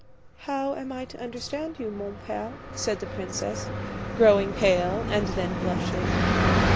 "How am I to understand you, mon père?" said the princess, growing pale and then blushing.